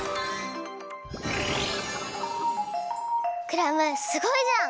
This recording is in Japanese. クラムすごいじゃん！